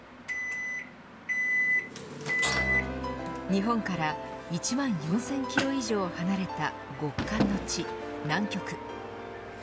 日本から１万４０００キロ以上離れた極寒の地、南極。